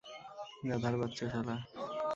গাধার বাচ্চা শালা।